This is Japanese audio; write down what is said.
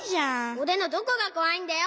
おれのどこがこわいんだよ！